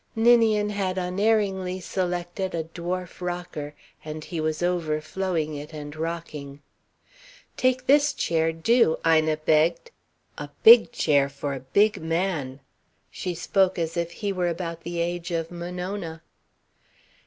Ninian had unerringly selected a dwarf rocker, and he was overflowing it and rocking. "Take this chair, do!" Ina begged. "A big chair for a big man." She spoke as if he were about the age of Monona.